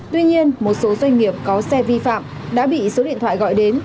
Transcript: tuy nhiên một số doanh nghiệp có xe vi phạm đã bị số điện thoại gọi đến